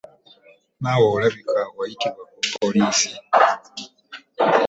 Naawe olabika wayitibwa ku poliisi.